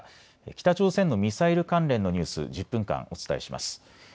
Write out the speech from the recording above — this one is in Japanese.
北朝鮮のミサイル関連のニュース、１０分間、お伝えします。